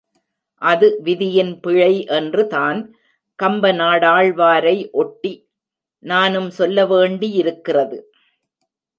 அது விதியின் பிழை என்று தான் கம்பநாடாழ்வாரை ஒட்டி நானும் சொல்லவேண்டியிருக்கிறது.